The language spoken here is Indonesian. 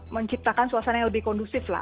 menciptakan suasana yang lebih kondusif lah